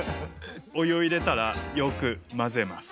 お湯を入れたらよく混ぜます。